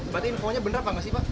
berarti infonya benar pak mas iba